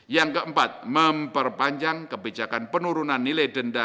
yang keempat memperpanjang kebijakan penurunan nilai denda